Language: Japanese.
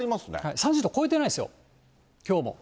３０度超えてないですよ、きょうも。